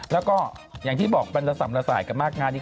แล้วก็อย่างที่บอกมันระสำละสายกันมากงานนี้